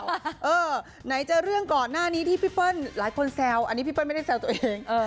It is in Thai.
ไหนจะเรื่องก่อนหน้านี้ที่พี่เปิ้ลหลายคนแซวอันนี้พี่เปิ้ลไม่ได้แซวตัวเอง